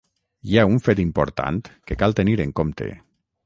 Hi ha un fet important que cal tenir en compte.